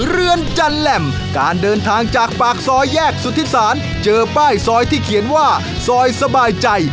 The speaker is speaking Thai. เรือนจันแหล่มการเดินทางจากปากซอยแยกสุธิศาลเจอป้ายซอยที่เขียนว่าซอยสบายใจ